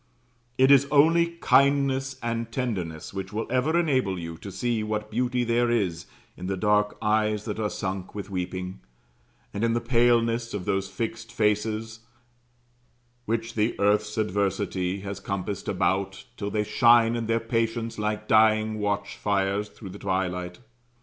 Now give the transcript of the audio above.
It is only kindness and tenderness which will ever enable you to see what beauty there is in the dark eyes that are sunk with weeping, and in the paleness of those fixed faces which the earth's adversity has compassed about, till they shine in their patience like dying watchfires through twilight.